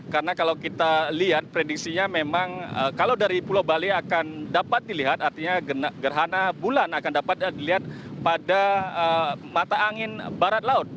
karena kalau kita lihat prediksinya memang kalau dari pulau bali akan dapat dilihat artinya gerhana bulan akan dapat dilihat pada mata angin barat laut